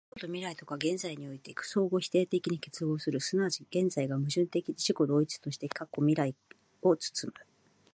過去と未来とが現在において相互否定的に結合する、即ち現在が矛盾的自己同一として過去未来を包む、